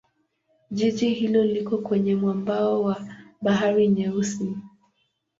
Jiji hilo liko kwenye mwambao wa Bahari Nyeusi.